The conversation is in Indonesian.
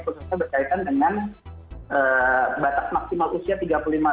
khususnya berkaitan dengan batas maksimal usia tiga puluh lima tahun